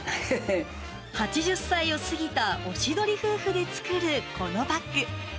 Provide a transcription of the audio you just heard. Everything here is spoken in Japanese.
８０歳を過ぎたおしどり夫婦で作る、このバッグ。